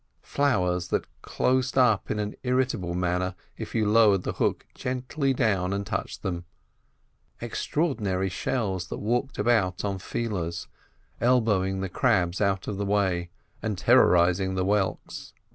Flowers that closed up in an irritable manner if you lowered the hook gently down and touched them; extraordinary shells that walked about on feelers, elbowing the crabs out of the way and terrorising the whelks.